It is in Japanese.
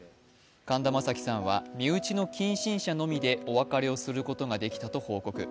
神田正輝さんは身内の近親者のみでお別れすることができたと報告。